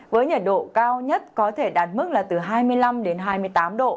với nhiệt độ cao nhất có thể đạt mức là từ hai mươi năm đến hai mươi tám độ